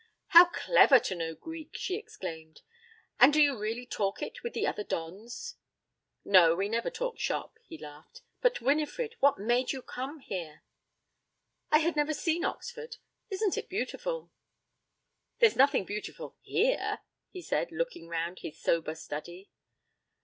'How clever to know Greek!' she exclaimed. 'And do you really talk it with the other dons?' 'No, we never talk shop,' he laughed. 'But, Winifred, what made you come here?' 'I had never seen Oxford. Isn't it beautiful?' 'There's nothing beautiful here,' he said, looking round his sober study.